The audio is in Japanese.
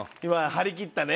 張り切ったね。